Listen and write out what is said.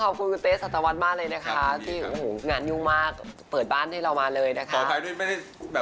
ขอบคุณคุณเต๊ซอศตาวันมากเลยนะคะงานดูมากเปิดบ้านให้เรามาเลยนะคะ